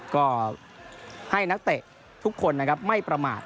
ก็ให้นักเตะทุกคนไม่ประมาท